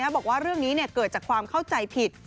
บอกว่าเรื่องนี้เกิดจากความเข้าใจผิด